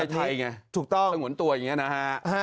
แบบไทยไงถูกต้องเป็นหวนตัวอย่างนี้นะฮะ